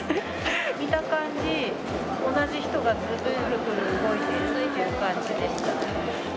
見た感じ、同じ人がずっと動いているという感じでした。